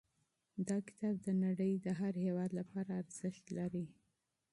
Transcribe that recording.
دا کتاب د نړۍ د هر هېواد لپاره ارزښت لري.